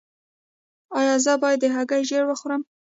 ایا زه باید د هګۍ ژیړ وخورم؟